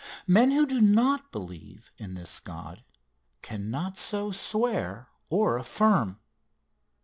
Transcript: Men who do not believe in this God, cannot so swear or affirm.